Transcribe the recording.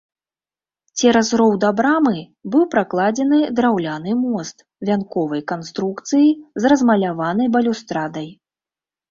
Цераз роў да брамы быў пракладзены драўляны мост вянковай канструкцыі з размаляванай балюстрадай.